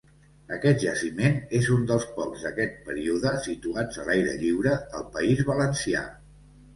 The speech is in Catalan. Aquest jaciment és un dels pocs d'aquest període situats a l'aire lliure al País Valencià.